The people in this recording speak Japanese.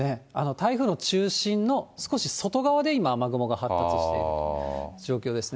台風の中心の少し外側で今、雨雲が発達している状況ですね。